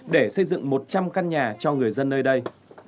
để xây dựng một trăm linh căn nhà cho người dân nơi đây